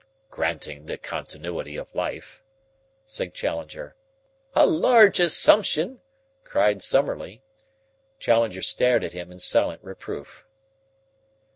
"Granting the continuity of life," said Challenger. "A large assumption!" cried Summerlee. Challenger stared at him in silent reproof.